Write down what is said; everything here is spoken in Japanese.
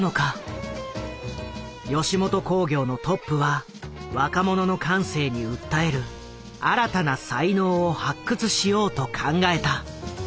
吉本興業のトップは若者の感性に訴える新たな才能を発掘しようと考えた。